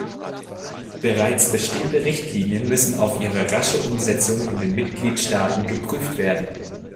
Bereits bestehende Richtlinien müssen auf ihre rasche Umsetzung in den Mitgliedstaaten geprüft werden.